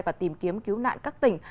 và tìm kiếm cứu nạn các tỉnh